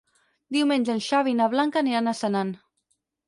Diumenge en Xavi i na Blanca aniran a Senan.